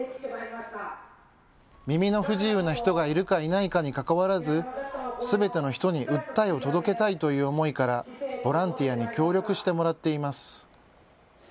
耳の不自由な人がいるかいないかにかかわらずすべての人に訴えを届けたいという思いからボランティアに協力してもらっています。